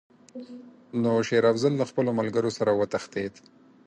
نو شېر افضل له خپلو ملګرو سره وتښتېد.